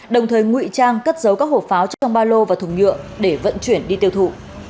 đồng thời ngụy trang cất giấu các hộp pháo trong ba lô và thùng nhựa để vận chuyển đi tiêu thụ